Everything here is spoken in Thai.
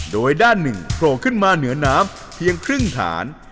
โดยด้านหนึ่งโผล่ขึ้นมาเหนือน้ำเพียงครึ่งฐาน